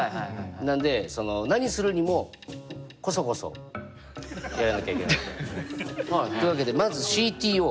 なんでその何するにもこそこそやらなきゃいけないと。というわけでまずＣＴＯ。